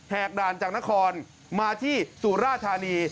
กด่านจากนครมาที่สุราธานี